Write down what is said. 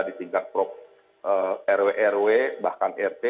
di tingkat rw rw bahkan rt